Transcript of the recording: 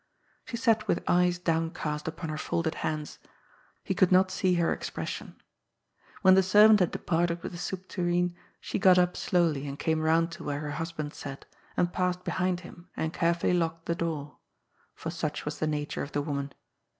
She sat with eyes downcast upon her folded hands. He could not see her expression. When the servant had departed with the soup tureen, she got up slowly and came round to where her husband sat, and passed behind him and carefully locked the door. For such was the nature of the woman.